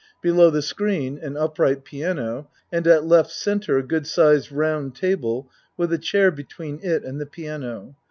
Below the screen an upright piano, and at L. C. a good sized round table with a chair between it and the piano.